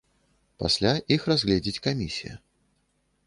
Пасля іх разгледзіць камісія.